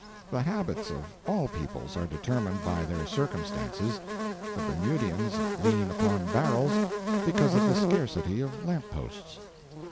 The habits of all peoples are determined by their circumstances. The Bermudians lean upon barrels because of the scarcity of lamp posts.